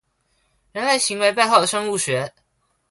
人類行為背後的生物學